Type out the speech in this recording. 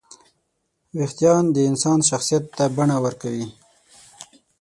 وېښتيان د انسان شخصیت ته بڼه ورکوي.